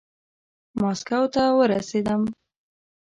ماسکو ته ورسېدم.